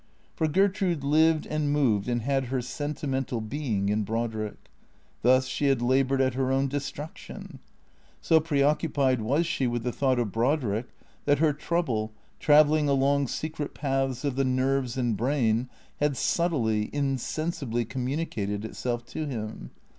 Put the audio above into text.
For Gertrude lived and moved and had her sentimental being in Brodrick. Thus she had laboured at her own destruction. So preoccupied was she with the thought of Brodrick that her trouble, travelling along secret paths of the nerves and brain, had subtly, insensibly communicated itself to him.